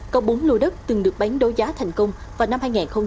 có bốn lô đất từng được bán đối giá thành công vào năm hai nghìn một mươi một